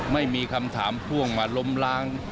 ไม่มีคำถามพ่วงมาล้มล้าง